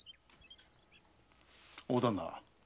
大旦那。